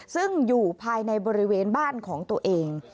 ซึ่งอยู่ภายในบริเวณบ้านของตัวเอง